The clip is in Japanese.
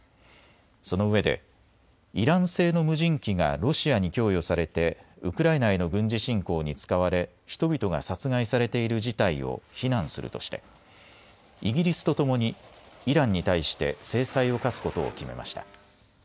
そのうえでイラン製の無人機がロシアに供与されてウクライナへの軍事侵攻に使われ人々が殺害されている事態を非難するとしてイギリスとともにイランに対して制裁を科すことを決めました。